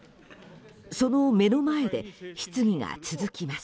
その目の前で質疑が続きます。